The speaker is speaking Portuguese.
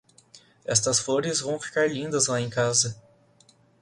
Estas flores vão ficar lindas lá em casa.